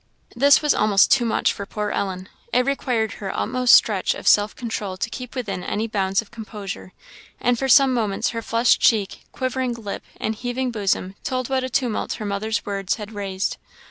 This was almost too much for poor Ellen. It required her utmost stretch of self control to keep within any bounds of composure; and for some moments her flushed cheek, quivering lip, and heaving bosom, told what a tumult her mother's words had raised.